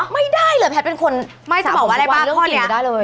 ไม่ได้เหรอแผดเป็นคนสระผมทุกวันเรื่องกินก็ได้เลย